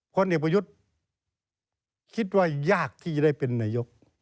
พลเอกประยุทธ์คิดว่ายากที่จะได้เป็นนายก